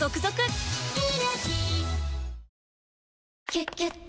「キュキュット」